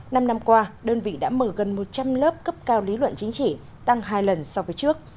năm năm qua đơn vị đã mở gần một trăm linh lớp cấp cao lý luận chính trị tăng hai lần so với trước